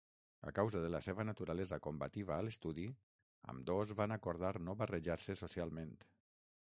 A causa de la seva naturalesa combativa a l'estudi, ambdós van acordar no barrejar-se socialment.